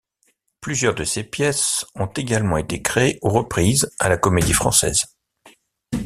Plusieurs de ses pièces ont également été créées ou reprises à la Comédie Française.